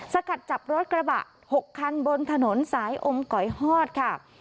สกัดจับรถกระบะ๖คันบนถนนสายอมก๋อยฮอดค่ะ